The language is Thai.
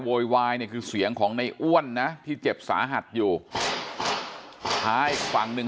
โวยวายเนี่ยคือเสียงของในอ้วนนะที่เจ็บสาหัสอยู่ท้าอีกฝั่งหนึ่ง